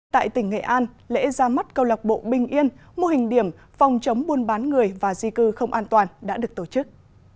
tại tỉnh nghệ an lễ ra mắt câu lạc bộ bình yên mô hình điểm phòng chống buôn bán người và di cư không an toàn đã được tổ chức